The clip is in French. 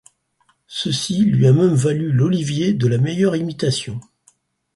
Ceci lui a même valu l'Olivier de la meilleure imitation.